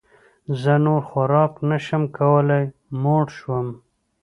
زه نور خوراک نه شم کولی موړ شوم